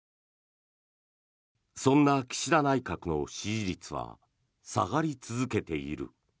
そんな岸田内閣の支持率は下がり続けている。